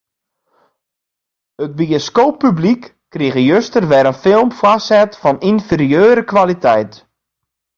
It bioskooppublyk krige juster wer in film foarset fan ynferieure kwaliteit.